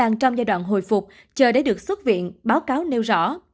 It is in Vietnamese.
đang trong giai đoạn hồi phục chờ để được xuất viện báo cáo nêu rõ